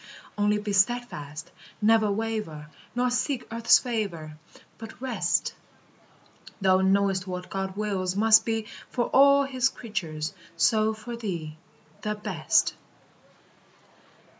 Only be steadfast; never waver, Nor seek earth's favor, But rest: Thou knowest what God wills must be For all his creatures, so for thee, The best.